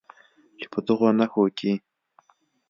چې په دغو نښتو کې